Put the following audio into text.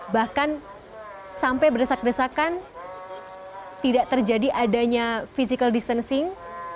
bahkan sampai berdesak desakan tidak terjadi adanya physical distancing